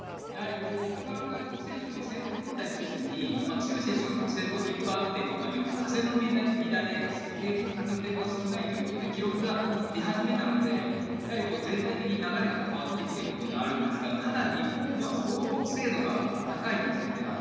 やはり、ほかの外国選手も先頭交代せずに、強い選手が先頭を引っ張っていくことによって、風の乱れ、風の抵抗が少ないということで、記録が出始めたので、やはり全体的に流れが変わってきているというのはあるんですが、ただ日本は、相当精度が高いんですよね。